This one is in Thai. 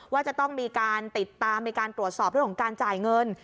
ว่าจะต้องมีการติดตามมีการตรวจสอบเรื่องของการจ่ายเงิน